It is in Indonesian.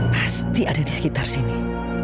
pasti ada di sekitar sini